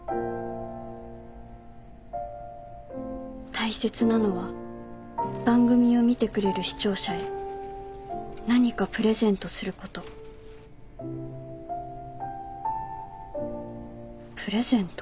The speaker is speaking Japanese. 「大切なのは番組を見てくれる視聴者へ何かプレゼントすること」プレゼント？